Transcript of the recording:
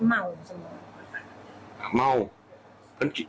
เออคิดเกิดเกิดเกิด